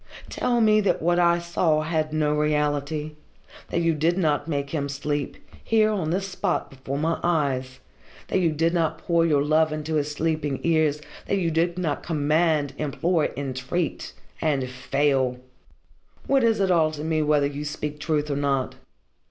Tell me that what I saw had no reality that you did not make him sleep here, on this spot, before my eyes that you did not pour your love into his sleeping ears, that you did not command, implore, entreat and fail! What is it all to me, whether you speak truth or not?